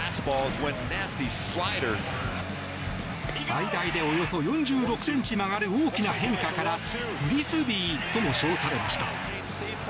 最大でおよそ４６ｃｍ曲がる大きな変化からフリスビーとも称されました。